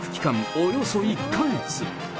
およそ１か月。